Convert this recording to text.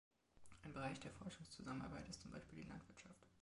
Ein Bereich der Forschungszusammenarbeit ist zum Beispiel die Landwirtschaft.